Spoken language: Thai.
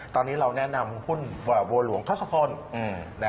ตอนนี้เราแนะนำหุ้นบัวหลวงทศพล